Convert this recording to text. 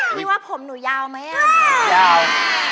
พี่ว่าผมหนูยาวมั้ยมั้ย